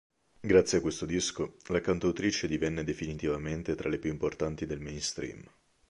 Grazie a questo disco, la cantautrice divenne definitivamente tra le più importanti del mainstream.